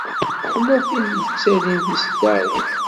Tella tin i yettalin tiseddaṛin.